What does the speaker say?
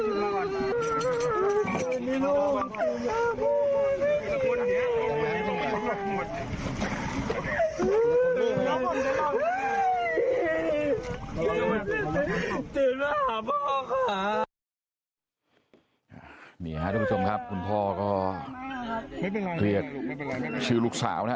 นี่ค่ะทุกคนผู้ชมครับคุณพ่อก็เรียกชื่อลูกสาวนะครับ